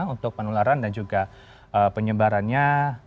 untuk penularan dan juga penyebarannya